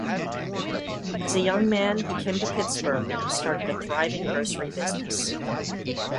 As a young man he came to Pittsburgh and started a thriving grocery business.